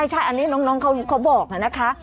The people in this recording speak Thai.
ใช่อันนี้น้องเขาบอกนะคะ